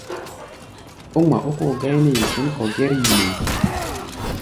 Ó ŋma ókóo gáí nɛ́ yi sɛ̌n kɔ̧ gɛ́r-yi mɛʼí̧.